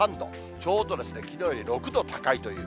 ちょうどきのうより６度高いという。